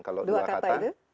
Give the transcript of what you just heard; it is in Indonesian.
kalau dua kata